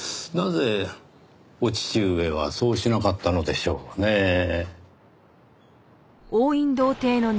なぜお父上はそうしなかったのでしょうねぇ？